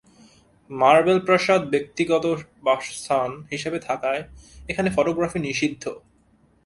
Marble প্রাসাদ ব্যক্তিগত বাসস্থান হিসেবে থাকায়, এখানে ফটোগ্রাফি নিষিদ্ধ।